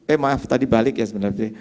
eh maaf tadi balik ya sebenarnya